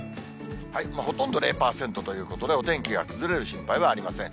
ほとんど０％ということで、お天気が崩れる心配はありません。